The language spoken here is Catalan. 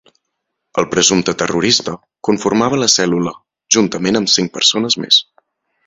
El presumpte terrorista conformava la cèl·lula juntament amb cinc persones més.